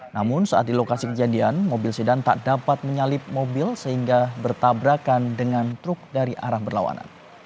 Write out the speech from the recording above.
namun saat di lokasi kejadian mobil sedan tak dapat menyalip mobil sehingga bertabrakan dengan truk dari arah berlawanan